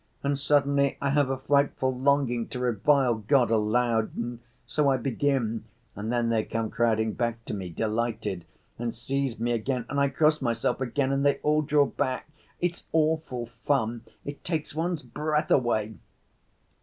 And suddenly I have a frightful longing to revile God aloud, and so I begin, and then they come crowding back to me, delighted, and seize me again and I cross myself again and they all draw back. It's awful fun. it takes one's breath away."